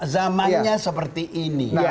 zamannya seperti ini